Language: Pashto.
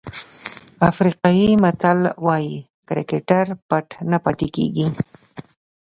افریقایي متل وایي کرکټر پټ نه پاتې کېږي.